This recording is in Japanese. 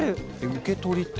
受け取りって？